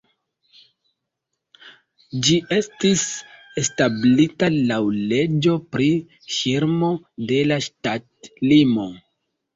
Ĝi estis establita laŭ leĝo pri ŝirmo de la ŝtatlimo.